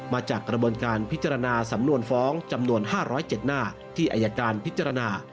มาจากกระบวนการพิจารณาสำนวนฟ้องจำนวน๕๐๗หน้าที่อายการพิจารณา